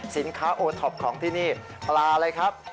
สินค้าโอท็อปของที่นี่ปลาอะไรครับ